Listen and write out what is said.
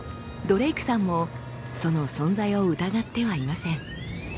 ドレイクさんもその存在を疑ってはいません。